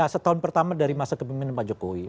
setahun pertama dari masa kepemimpinan pak jokowi